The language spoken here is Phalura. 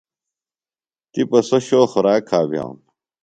تِپہ سوۡ شو خوراک کھا بِھیانوۡ۔